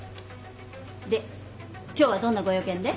で今日はどんなご用件で？